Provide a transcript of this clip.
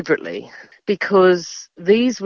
karena ini adalah perang yang terjadi